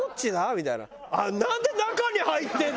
みたいな。